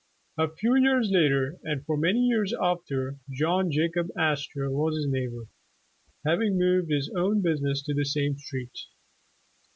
A few years later, and for many years after, John Jacob Astor was his neighbor, having moved his own business to the same street.